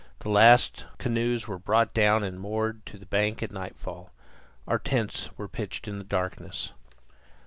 The last canoes were brought down and moored to the bank at nightfall. Our tents were pitched in the darkness.